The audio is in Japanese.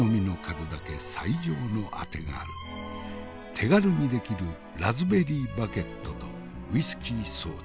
手軽に出来るラズベリーバゲットとウイスキーソーダ。